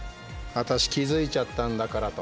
私、気付いちゃったんだからと。